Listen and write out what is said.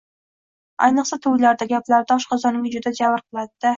Ayniqsa, to‘ylarda, gaplarda oshqozonga juda javr qilinadi.